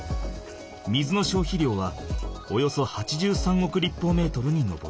水の消費量はおよそ８３億立方メートルに上る。